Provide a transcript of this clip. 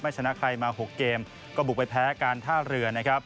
ชนะใครมา๖เกมก็บุกไปแพ้การท่าเรือนะครับ